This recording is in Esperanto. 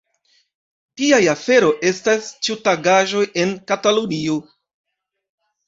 Tiaj aferoj estas ĉiutagaĵoj en Katalunio.